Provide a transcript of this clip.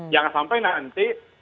jangan sampai nanti